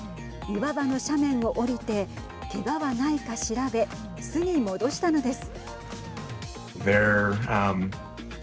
岩場の斜面を降りてけがはないか調べ巣に戻したのです。